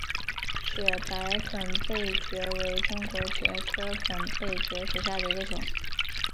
雪白粉背蕨为中国蕨科粉背蕨属下的一个种。